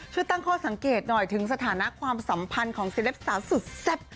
ช่วยตั้งข้อสังเกตหน่อยถึงสถานะความสัมพันธ์ของเซลปสาวสุดแซ่บ